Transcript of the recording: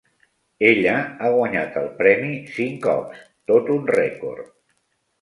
Ella ha guanyat el premi cinc cops, tot un rècord.